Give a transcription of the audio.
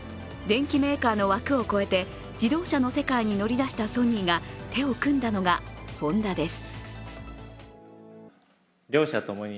電機メーカーの枠を超えて自動車の世界に乗り出したソニーが手を組んだのがホンダです。